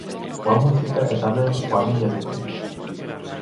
Coa música e tamén coa miña vida.